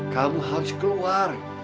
kamu harus keluar